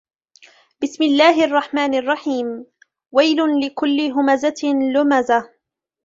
بسم الله الرحمن الرحيم ويل لكل همزة لمزة